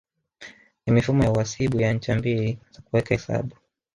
Ni mifumo ya uhasibu ya ncha mbili za kuweka hesabu